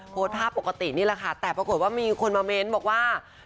โพสต์ภาพปกตินี่แหละค่ะแต่ปรากฏว่ามีคนมาเมนต์บอกว่า